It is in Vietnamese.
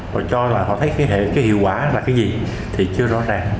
họ cho là họ thấy cái hệ cái hiệu quả là cái gì thì chưa rõ ràng